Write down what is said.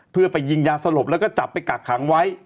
เพื่อไปยิงยาสลบแล้วก็จับไปกักขังไว้